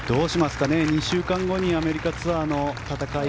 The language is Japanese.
２週間後にアメリカツアーの戦い